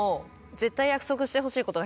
絶対約束してほしいことが。